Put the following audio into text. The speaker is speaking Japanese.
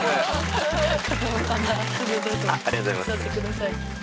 座ってください。